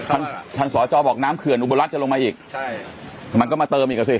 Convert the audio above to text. ท่านท่านสอจอบอกน้ำเขื่อนอุบลรัฐจะลงมาอีกใช่มันก็มาเติมอีกอ่ะสิ